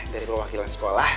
dari pewakilan sekolah